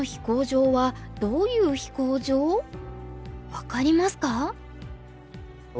分かりますか？